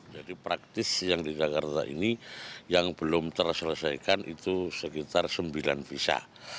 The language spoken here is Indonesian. jadi praktis yang di jakarta ini yang belum terselesaikan itu sekitar sembilan visa